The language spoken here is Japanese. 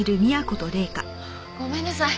ごめんなさい